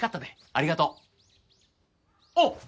ありがとう。あっ！